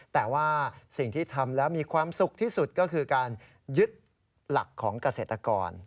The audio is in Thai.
แต่ว่าสิ่งที่ทำแล้วมีความสุขที่สุดก็คือการยึดหลักของเกษตรกร